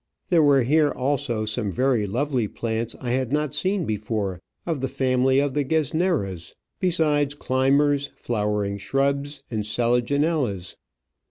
There were here also some very lovely plants I had not seen before of the family of the Gesneras, besides climbers, flowering shrubs, and Selaginellas.